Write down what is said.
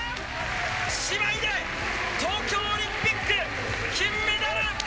姉妹で東京オリンピック金メダル！